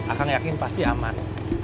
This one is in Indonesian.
akang yakin pasti aman